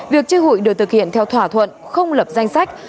việc chơi hụi được thực hiện theo thỏa thuận không lập danh sách